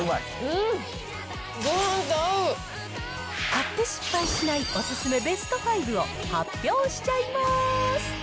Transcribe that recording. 買って失敗しないお勧めベスト５を発表しちゃいます。